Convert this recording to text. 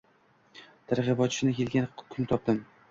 Targ‘ibotchini kelgan kuni topdim.